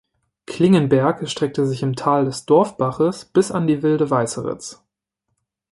Klingenberg erstreckt sich im Tal des Dorfbaches bis an die Wilde Weißeritz.